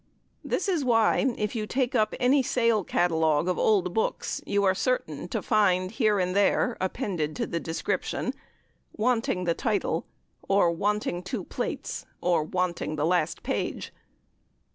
This is why, if you take up any sale catalogue of old books, you are certain to find here and there, appended to the description, "Wanting the title," "Wanting two plates," or "Wanting the last page."